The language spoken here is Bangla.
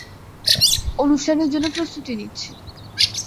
অনুষ্ঠানের জন্য প্রস্তুতি নিচ্ছি।